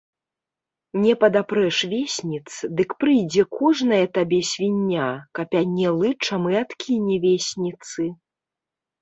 Не падапрэш весніц, дык прыйдзе кожная табе свіння, капяне лычам і адкіне весніцы.